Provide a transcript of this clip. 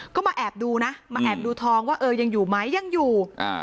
ก็มาแอบดูนะมาแอบดูทองว่าเออยังอยู่ไหมยังอยู่อ่า